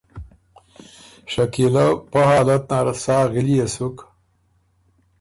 شکیلۀ پا حالت نر سا غِليې سُک